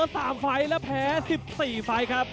เสมอ๓ไฟต์และแพ้๑๔ไฟต์ครับ